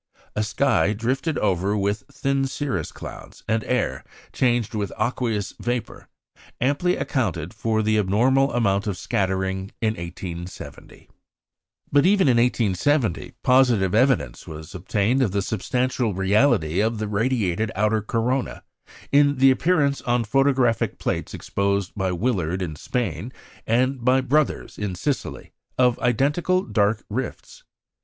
A sky drifted over with thin cirrus clouds and air changed with aqueous vapour amply accounted for the abnormal amount of scattering in 1870. But even in 1870 positive evidence was obtained of the substantial reality of the radiated outer corona, in the appearance on the photographic plates exposed by Willard in Spain and by Brothers in Sicily of identical dark rifts.